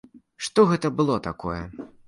Што гэта было такое?